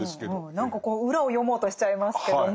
何かこう裏を読もうとしちゃいますけども。